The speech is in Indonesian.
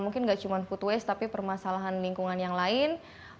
mungkin gak cuma food waste tapi permasalahan lingkungan yang lain